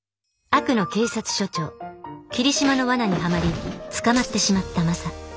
悪の警察署長桐島の罠にはまり捕まってしまったマサ。